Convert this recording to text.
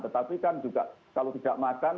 tetapi kan juga kalau tidak makan